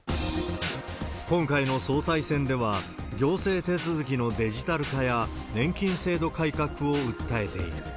今回の総裁選では、行政手続きのデジタル化や年金制度改革を訴えている。